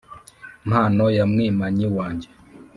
mpano ya mwimanyi wanjye